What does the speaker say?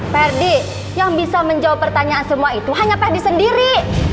ferdi yang bisa menjawab pertanyaan semua itu hanya ferdi sendiri